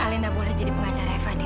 alena boleh jadi pengacara fadil